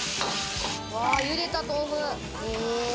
茹でた豆腐。